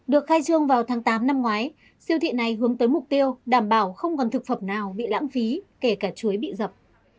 được khai trương vào tháng tám năm ngoái siêu thị này hướng tới mục tiêu đảm bảo không còn thực phẩm nào bị lãng phí kể cả chuối bị dập